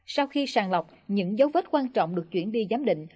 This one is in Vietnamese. sau khi sàng lọc những dấu vết quan trọng được chuyển đi giám định